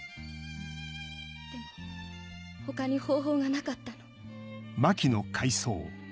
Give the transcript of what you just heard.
でも他に方法がなかったの。